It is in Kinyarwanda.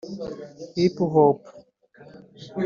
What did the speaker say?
hip-hop